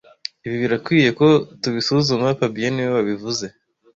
Ibi birakwiye ko tubisuzuma fabien niwe wabivuze